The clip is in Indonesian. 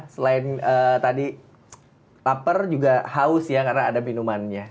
selain tadi lapar juga haus ya karena ada minumannya